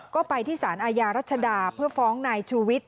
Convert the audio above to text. ก็ไปที่สารอาญารัชดาเพื่อฟ้องนายชูวิทย